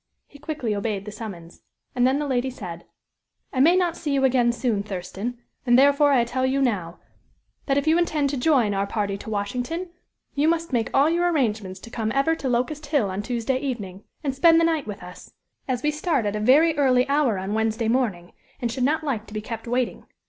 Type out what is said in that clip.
He quickly obeyed the summons. And then, the lady said: "I may not see you again soon, Thurston, and, therefore, I tell you now that if you intend to join our party to Washington, you must make all your arrangements to come ever to Locust Hill on Tuesday evening, and spend the night with us; as we start at a very early hour on Wednesday morning, and should not like to be kept waiting.